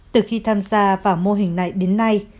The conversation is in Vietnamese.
từ khi tham gia vào mô hình này đến nay